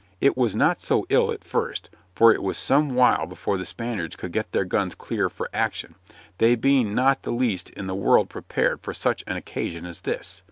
It was not so ill at first, for it was some while before the Spaniards could get their guns clear for action, they being not the least in the world prepared for such an occasion as this.